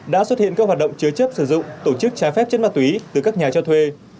đã xuất hiện các hoạt động chứa chấp sử dụng tổ chức trái phép chất ma túy từ các nhà cho thuê